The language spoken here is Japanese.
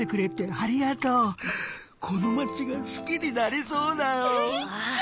このまちがすきになれそうだよ。